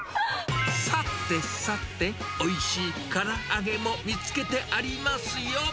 さてさて、おいしいから揚げも見つけてありますよ。